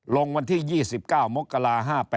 ลงวันที่๒๙มกรา๕๘